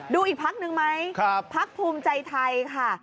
ดูอีกพักหนึ่งไหมพักภูมิใจไทยค่ะ